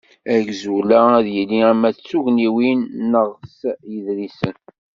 Agzul-a ad yili ama s tugniwin, neɣ s yiḍrisen.